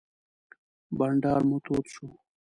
بانډار مو تود شو.